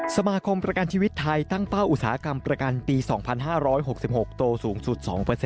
สมาคมประกันชีวิตไทยตั้งเป้าอุตสาหกรรมประกันปี๒๕๖๖โตสูงสุด๒